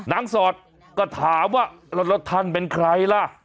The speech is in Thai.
สอดก็ถามว่าแล้วท่านเป็นใครล่ะ